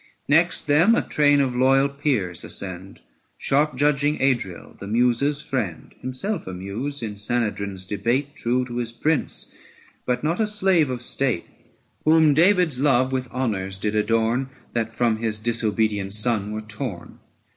875 Next them a train of loyal peers ascend ; Sharp judging Adriel, the Muses' friend, Himself a Muse : in Sanhedrin's debate True to his Prince, but not a slave of state ; Whom David's love with honours did adorn 880 That from his disobedient son were torn.